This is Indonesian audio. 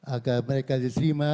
agar mereka diterima